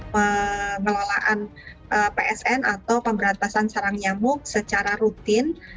pengelolaan psn atau pemberantasan sarang nyamuk secara rutin